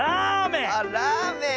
あっラーメン？